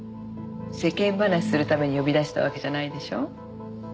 世間話するために呼び出したわけじゃないでしょ？